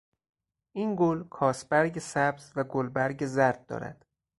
این گل کاسبرگ سبز و گلبرگ زرد دارد.